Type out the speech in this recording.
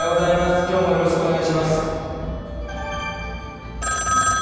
きょうもよろしくお願いします。